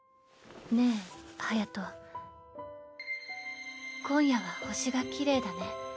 ねえ隼今夜は星がきれいだね。